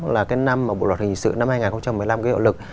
là năm bộ luật hình sự năm hai nghìn một mươi năm gây hậu lực